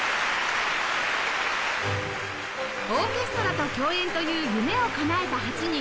オーケストラと共演という夢をかなえた８人